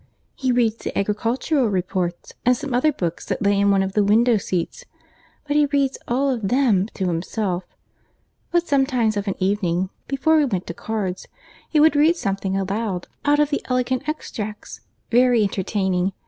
He reads the Agricultural Reports, and some other books that lay in one of the window seats—but he reads all them to himself. But sometimes of an evening, before we went to cards, he would read something aloud out of the Elegant Extracts, very entertaining.